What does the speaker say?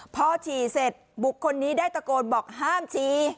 พอฉี่เสร็จบุคคลนี้ได้ตะโกนบอกห้ามฉี่